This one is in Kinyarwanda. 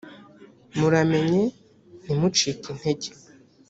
muramenye ntimucike intege,